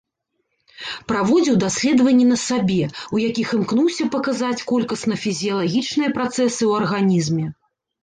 Праводзіў даследванні на сабе, у якіх імкнуўся паказаць колькасна фізіялагічныя працэсы ў арганізме.